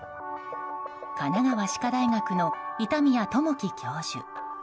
神奈川歯科大学の板宮朋基教授。